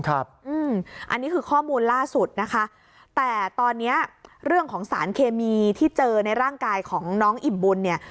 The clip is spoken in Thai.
อันนี้คือข้อมูลล่าสุดนะคะแต่ตอนนี้เรื่องของสารเคมีที่เจอในร่างกายของน้องอิ่มบุญเนี่ย